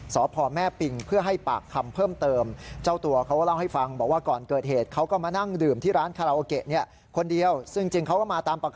สพแม่ปิงเพื่อให้ปากคำเพิ่มเติม